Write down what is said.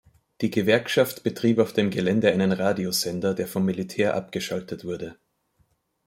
Die Gewerkschaft betrieb auf dem Gelände einen Radiosender, der vom Militär abgeschaltet wurde.